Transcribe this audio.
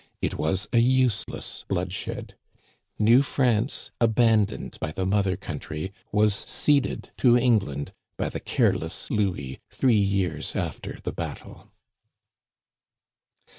It was a useless bloodshed. New France, abandoned by the mothei country, was ceded to England by the careless Louis three years after the battle.